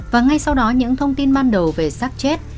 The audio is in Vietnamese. và ngay sau đó những thông tin ban đầu về sắc chết